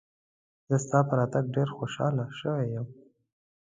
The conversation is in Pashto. زه ستا په راتګ ډېر خوشاله شوی یم.